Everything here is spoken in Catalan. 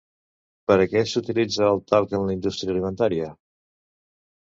Per a què s'utilitza el talc en la indústria alimentària?